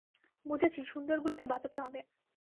বুঝেছি, সুন্দরগুলোকে বাঁচাতে হবে।